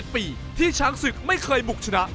ปีที่ช้างศึกไม่เคยบุกชนะ